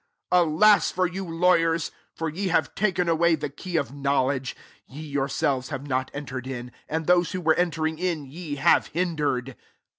52 "Alas for you, lawyers! for ye have taken away the key of kaowledge : ye yourselves have Dot entered in^ and those who were entering in ye have hin dered.